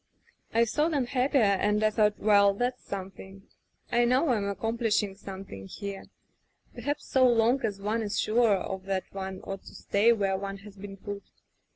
"I saw them happier, and I thought, well, that's something. I know Fm accomplishing something here. Perhaps so long as one is sure of that one ought to stay where one has been put.